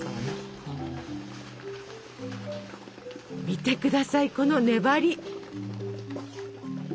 見て下さいこの粘り！